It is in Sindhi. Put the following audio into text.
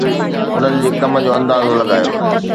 انهن جي ڪم جو اندازو لڳايو